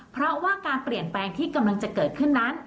เพราะว่าการเปลี่ยนแปลงที่กำลังจะเกิดขึ้นนั้น